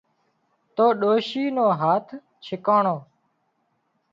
تو ڏوشِي نو هاٿ ڇڪاڻو